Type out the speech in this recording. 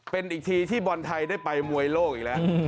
เป็นอีกทีที่บอลไทยได้ไปมวยโลกอีกแล้ว